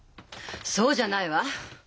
そうじゃないわ！